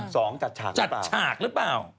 สองจัดฉากหรือเปล่า